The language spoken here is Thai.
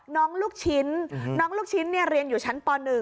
ลูกชิ้นน้องลูกชิ้นเรียนอยู่ชั้นป๑